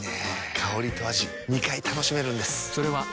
香りと味２回楽しめるんです。